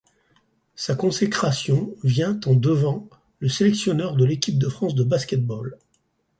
Sa consécration vient en devant le sélectionneur de l'équipe de France de basket-ball.